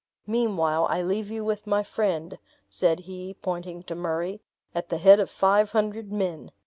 Meanwhile, I leave you with my friend," said he, pointing to Murray, "at the head of five hundred men.